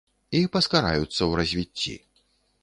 І паскараюцца ў развіцці.